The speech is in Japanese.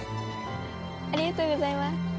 ありがとうございます。